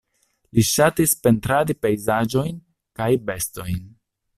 Li ŝatis pentradi pejzaĝojn kaj bestojn.